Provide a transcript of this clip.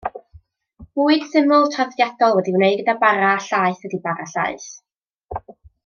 Bwyd syml, traddodiadol wedi'i wneud gyda bara a llaeth ydy bara llaeth.